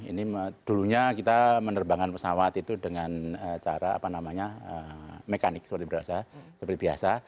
ini dulunya kita menerbangkan pesawat itu dengan cara mekanik seperti biasa